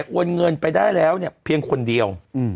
โอนเงินไปได้แล้วเนี่ยเพียงคนเดียว